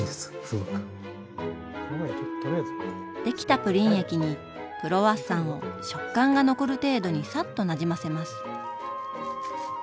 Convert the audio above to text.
できたプリン液にクロワッサンを食感が残る程度にサッとなじませます。